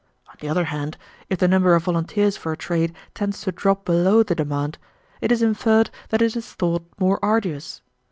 On the other hand, if the number of volunteers for a trade tends to drop below the demand, it is inferred that it is thought more arduous.